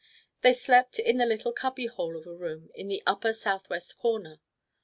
They slept in the little cubby hole of a room in the upper southwest corner.